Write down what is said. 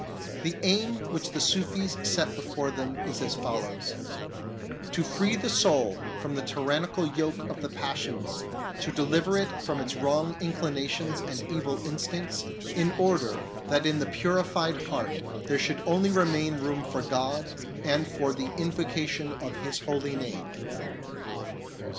The aim which the Sufis set before them is as follows : To free the soul from the tyrannical yoke of the passions, to deliver it from its wrong inclinations and evil instincts, in order that in the purified heart there should only remain room for God and for the invocation of His holy name.